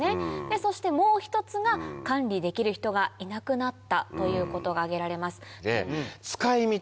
そしてもう一つが「管理できる人がいなくなった」ということが挙げられます。